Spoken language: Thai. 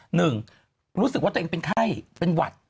หนึ่งรู้สึกว่าตัวเองเป็นไข้เป็นหวัด